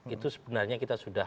itu sebenarnya kita sudah